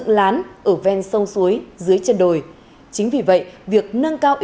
kể cả ngày và đêm